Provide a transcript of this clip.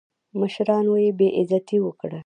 مشرانو یې بېعزتي وکړه.